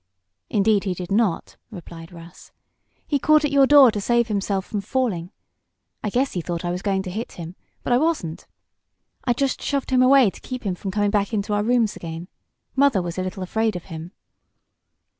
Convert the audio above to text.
"Indeed he did not," replied Russ. "He caught at your door to save himself from falling. I guess he thought I was going to hit him; but I wasn't. I just shoved him away to keep him from coming back into our rooms again. Mother was a little afraid of him."